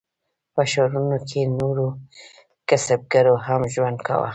په ښارونو کې نورو کسبګرو هم ژوند کاوه.